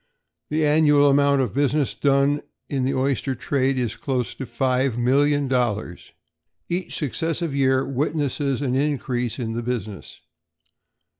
The annual amount of business done in the oyster trade is close on to $5,000,000. Each successive year witnesses an increase in the business.